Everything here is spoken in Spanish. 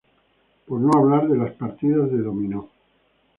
Por no hablar de las partidas de dominó.